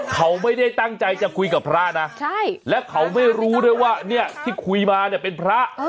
เขาไม่ได้ตั้งใจจะคุยกับพระนะและเขาไม่รู้ด้วยว่าเนี่ยที่คุยมาเนี่ยเป็นพระ